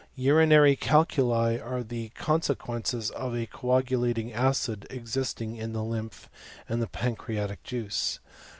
Drinary calculi are the consequences of a coagulating ^id existing in the lymph and the pancreatic juice.